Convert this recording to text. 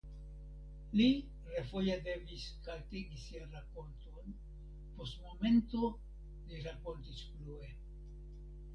Li refoje devis haltigi sian rakonton; post momento li rakontis plue.